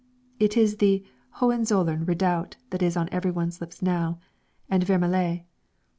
It is the Hohenzollern Redoubt that is on everyone's lips now, and Vermelles.